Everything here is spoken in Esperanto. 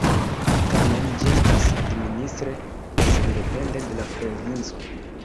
Tamen ĝi estas administre sendepende de la provinco.